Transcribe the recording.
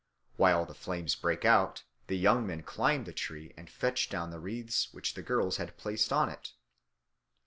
While the flames break out, the young men climb the tree and fetch down the wreaths which the girls had placed on it.